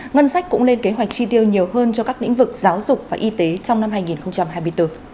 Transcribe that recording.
ngân sách cũng lên kế hoạch chi tiêu nhiều hơn cho các lĩnh vực giáo dục và y tế trong năm hai nghìn hai mươi bốn